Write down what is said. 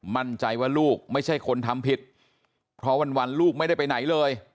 มั่นใจว่าลูกไม่ใช่คนทำผิดเพราะวันลูกไม่ได้ไปไหนเลย